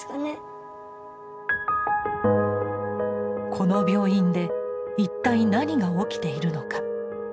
この病院で一体何が起きているのか。